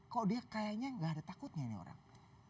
kok dia kayaknya gak ada takutnya nih orang